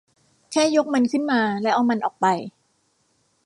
แค่ยกมันขึ้นมาแล้วเอามันออกไป